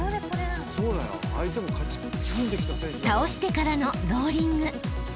［倒してからのローリング］